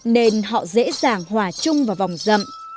nên họ dễ dàng hòa chung vào vòng dậm